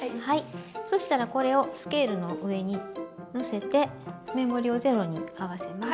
そしたらこれをスケールの上に載せてメモリをゼロに合わせます。